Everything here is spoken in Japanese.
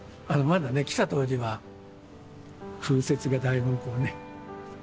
あのまだね来た当時は風雪がだいぶこうね。